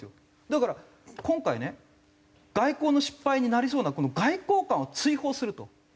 だから今回ね外交の失敗になりそうなこの外交官を追放すると。